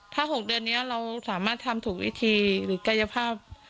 ถ้า๖เดือนนี้เราสามารถทำถูกวิธีหรือกายภาพ